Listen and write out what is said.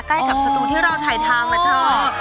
ใกล้กับสตูที่เราถ่ายทำนะเถอะ